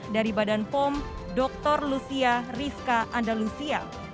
dari badan pom dr lucia rizka andalusia